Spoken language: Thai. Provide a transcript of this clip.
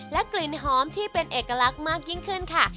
กลิ่นหอมที่เป็นเอกลักษณ์มากยิ่งขึ้นค่ะ